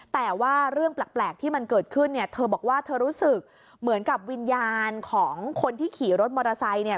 แต่ว่าเรื่องแปลกที่มันเกิดขึ้นเนี่ยเธอบอกว่าเธอรู้สึกเหมือนกับวิญญาณของคนที่ขี่รถมอเตอร์ไซค์เนี่ย